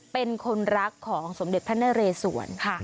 เป็นคนรักของสมเด็จพระนเรศวร